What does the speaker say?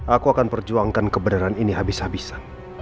aku akan perjuangkan kebenaran ini habis habisan